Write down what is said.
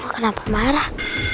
kamu kenapa marah